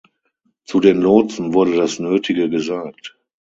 Zu den Lotsen wurde das Nötige gesagt.